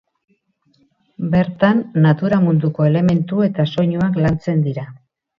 Bertan natura munduko elementu eta soinuak lantzen dira.